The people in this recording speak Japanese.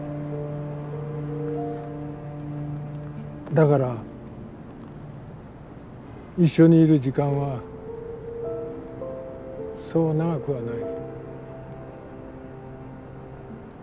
だから一緒にいる時間はそう長くはない。